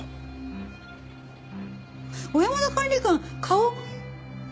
小山田管理官顔。